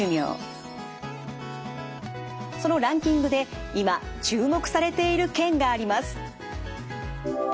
そのランキングで今注目されている県があります。